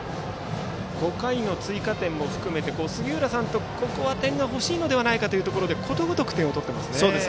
５回の追加点も含めてここは点が欲しいというところでことごとく点を取っていますね。